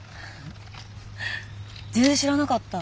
全然知らなかった